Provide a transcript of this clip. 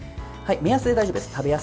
目安で大丈夫です。